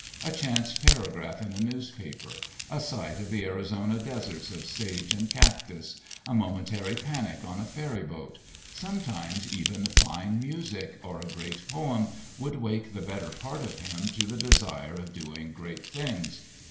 A chance paragraph in a newspaper, a sight of the Arizona deserts of sage and cactus, a momentary panic on a ferry boat, sometimes even fine music or a great poem would wake the better part of him to the desire of doing great things.